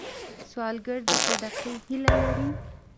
سوالګر د صدقې هیله لري